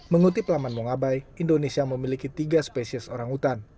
mengutip laman mongabay indonesia memiliki tiga spesies orangutan